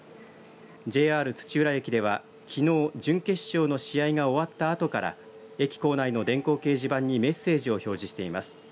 ＪＲ土浦駅では、きのう準決勝の試合が終わったあとから駅構内の電光掲示板にメッセージを表示しています。